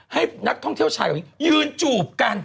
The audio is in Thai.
ให้นักท่องเที่ยวชายกับผู้หญิงยืนจูบกัน